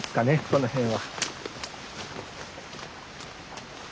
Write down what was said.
この辺は。